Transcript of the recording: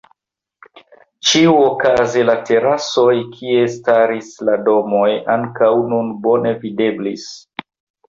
Ĉiuokaze la terasoj kie staris la domoj ankaŭ nun bone videblis.